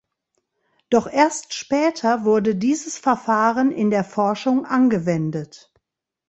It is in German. Doch erst später wurde dieses Verfahren in der Forschung angewendet.